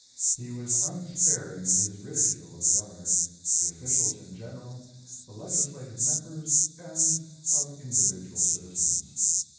He was unsparing in his ridicule of the Governor, the officials in general, the legislative members, and of individual citizens.